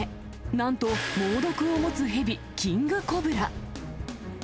なんと猛毒を持つ蛇、キングコブラ。